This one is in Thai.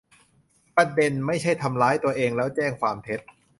ประเด็นไม่ใช่ทำร้ายตัวเองแล้วแจ้งความเท็จ